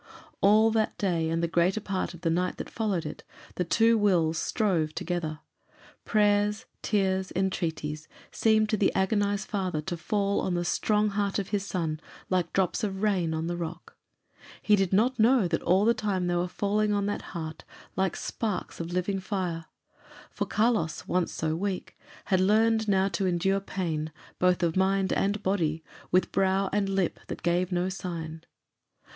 All that day, and the greater part of the night that followed it, the two wills strove together. Prayers, tears, entreaties, seemed to the agonized father to fall on the strong heart of his son like drops of rain on the rock. He did not know that all the time they were falling on that heart like sparks of living fire; for Carlos, once so weak, had learned now to endure pain, both of mind and body, with brow and lip that "gave no sign."